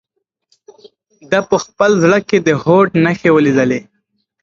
ده په خپل زړه کې د هوډ نښې ولیدلې.